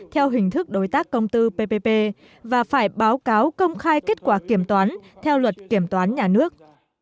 theo hình thức đối tác công tư ppp và phải báo cáo công khai kết quả kiểm toán theo luật kiểm toán nhà nước